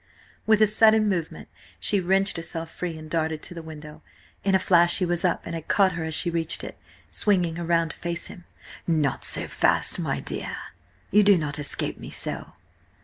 With a sudden movement she wrenched herself free and darted to the window. In a flash he was up and had caught her as she reached it, swinging her round to face him. "Not so fast, my dear. You do not escape me so."